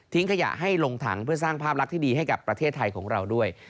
ขยะให้ลงถังเพื่อสร้างภาพลักษณ์ที่ดีให้กับประเทศไทยของเราด้วย